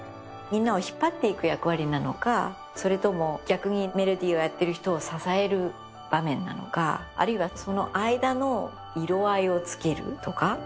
みんなを引っ張っていく役割なのかそれとも逆にメロディーをやっている人を支える場面なのかあるいはその間の色合いをつけるとか。